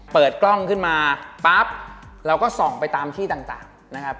เปิดกล้องขึ้นมาปั๊บเราก็ส่องไปตามที่ต่างนะครับ